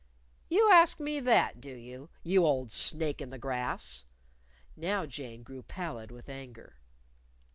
"You ask me that, do you? you old snake in the grass!" Now Jane grew pallid with anger.